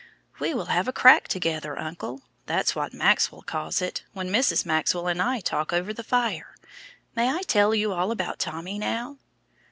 "We will have a crack together, uncle. That's what Maxwell calls it, when Mrs. Maxwell and I talk over the fire. May I tell you all about Tommy now?"